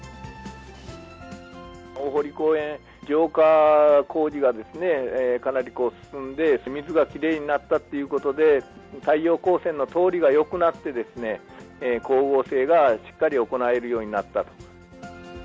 大濠公園、浄化工事がかなり進んで、水がきれいになったっていうことで、太陽光線の通りがよくなって、光合成がしっかり行えるようになったと。